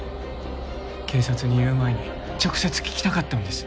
警察に言う前に直接聞きたかったんです。